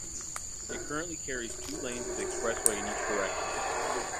It currently carries two lanes of the expressway in each direction.